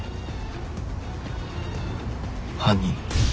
犯人